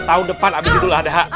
tahun depan abis dulu ada hak